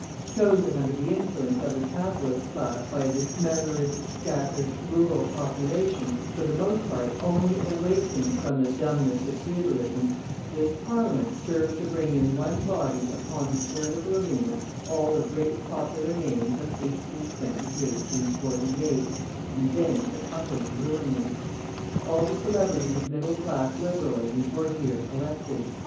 Chosen under the influence of the capitalist class by a dismembered, scattered, rural population, for the most part only awaking from the dumbness of feudalism, this Parliament served to bring in one body upon the political arena all the great popular names of 1820 1848, and then to utterly ruin them. All the celebrities of middle class Liberalism were here collected.